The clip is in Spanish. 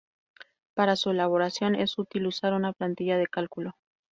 Para su elaboración es útil usar una plantilla de cálculo.